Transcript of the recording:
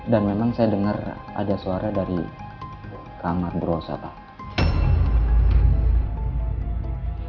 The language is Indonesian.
dan memang saya dengar ada suara dari kamar berhosa pak